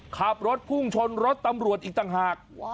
ขับรถพุ่งชนรถตำรวจอีกต่างหาก